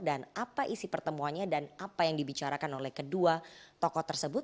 dan apa isi pertemuannya dan apa yang dibicarakan oleh kedua tokoh tersebut